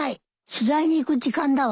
取材に行く時間だわ。